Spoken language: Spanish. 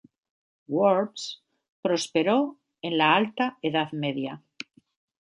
Worms prosperó en la Alta Edad Media.